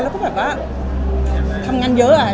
แล้วก็แบบว่าทำงานเยอะอะ